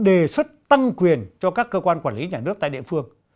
đề xuất tăng quyền cho các cơ quan quản lý nhà nước tại địa phương